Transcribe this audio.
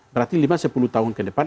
berarti lima sepuluh tahun ke depan